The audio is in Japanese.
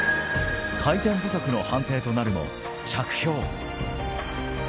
回転不足の判定となるも着氷。